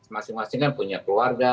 masing masing kan punya keluarga